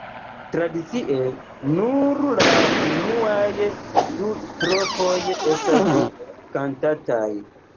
Tradicie, nur la unuaj du strofoj estas kantataj.